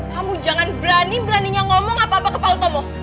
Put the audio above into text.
kamu jangan berani beraninya ngomong apa apa ke pak utomo